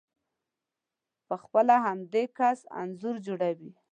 په خپله په همدې کس انځور جوړوئ،